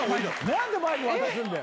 何でマイク渡すんだよ！